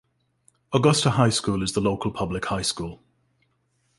Augusta High School is the local public high school.